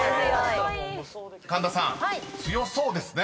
［神田さん強そうですね］